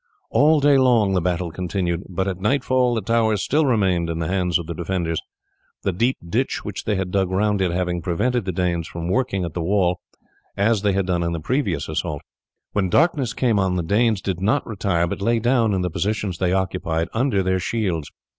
All day long the battle continued, but at nightfall the tower still remained in the hands of the defenders, the deep ditch which they had dug round it having prevented the Danes from working at the wall, as they had done in the previous assault. When darkness came on the Danes did not retire, but lay down in the positions they occupied, under their shields.